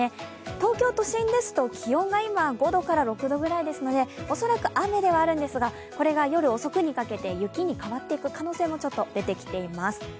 東京都心ですと気温が今５度から６度ぐらいですので恐らく雨ではあるんですが、これが夜遅くにかけて雪に変わっていく可能性も少し出てきています。